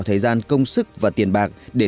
thời gian công sức và tiền bạc để